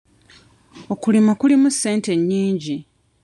Okulima kulimu ssente nnyingi.